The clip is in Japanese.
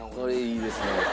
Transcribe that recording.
いいですね。